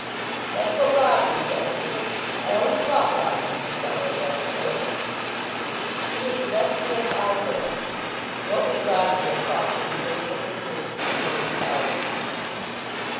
"That's what Roger says; is it? I always thought Roger was a fellow of that sort." "He is the best friend I have." What would Roger have thought had he heard this assertion from Lady Carbury?